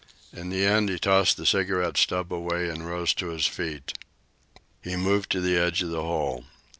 In the end he tossed the cigarette stub away and rose to his feet. He moved to the edge of the hole.